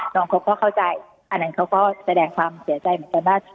น้องเขาก็เข้าใจอันนั้นเขาก็แสดงความเสียใจเหมือนกันว่า